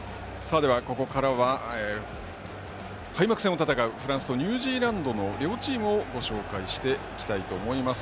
ここからは開幕戦を戦うフランスとニュージーランドの両チームをご紹介していきたいと思います。